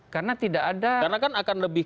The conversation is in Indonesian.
karena tidak ada karena kan akan lebih